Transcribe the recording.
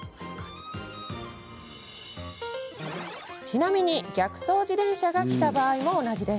ちなみに逆走自転車が来た場合も同じ。